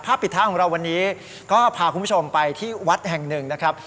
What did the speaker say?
ปิดท้ายของเราวันนี้ก็พาคุณผู้ชมไปที่วัดแห่งหนึ่งนะครับ